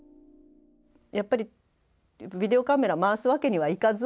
やっぱりビデオカメラ回すわけにはいかず